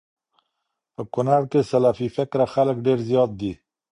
په کونړ کي سلفي فکره خلک ډير زيات دي